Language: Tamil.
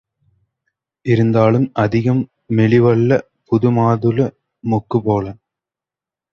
இருந்தாலும், அதிகம் மெலிவல்ல புதுமாதுள மொக்குபோல.